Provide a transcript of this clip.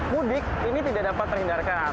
mudik ini tidak dapat terhindarkan